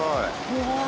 うわ。